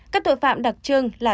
các tội phạm đặc trưng là